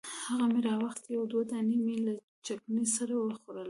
هغه مې راواخیستې یو دوه دانې مې له چکني سره وخوړلې.